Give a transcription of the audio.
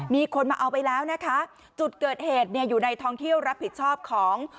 มีคนมาเอาไปแล้วนะคะจุดเกิดเหตุเนี่ยอยู่ในท้องเที่ยวรับผิดชอบของ